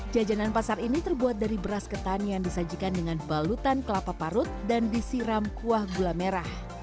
jajanan pasar ini terbuat dari beras ketan yang disajikan dengan balutan kelapa parut dan disiram kuah gula merah